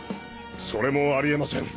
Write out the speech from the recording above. それもあり得ません。